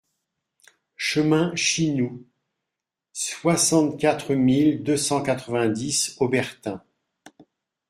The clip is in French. Chemin Chinou, soixante-quatre mille deux cent quatre-vingt-dix Aubertin